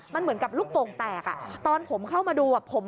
มันเหมือนกับลูกโป่งแตกอ่ะตอนผมเข้ามาดู